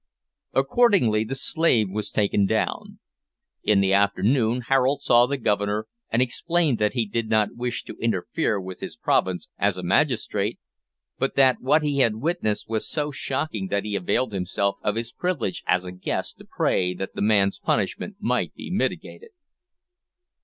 Accordingly, the slave was taken down. In the afternoon Harold saw the Governor, and explained that he did not wish to interfere with his province as a magistrate, but that what he had witnessed was so shocking that he availed himself of his privilege as a guest to pray that the man's punishment might be mitigated.